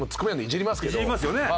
いじりますよね？